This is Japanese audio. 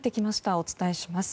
お伝えします。